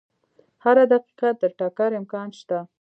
هره دقیقه د ټکر امکان شته.